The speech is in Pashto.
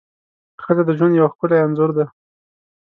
ښځه د ژوند یو ښکلی انځور ده.